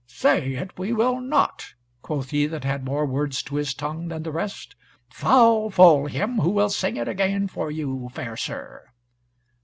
"Say it we will not," quoth he that had more words to his tongue than the rest, "foul fall him who will sing it again for you, fair sir!"